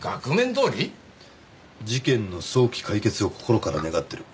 事件の早期解決を心から願ってる。